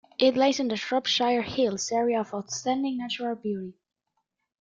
It lies in the Shropshire Hills area of outstanding natural beauty.